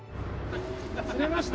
釣れました？